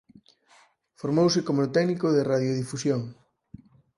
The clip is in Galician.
Formouse como técnico de radiodifusión.